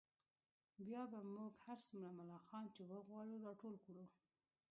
بیا به موږ هر څومره ملخان چې وغواړو راټول کړو